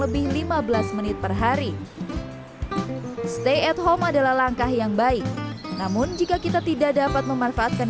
lebih lima belas menit per hari stay at home adalah langkah yang baik namun jika kita tidak dapat memanfaatkan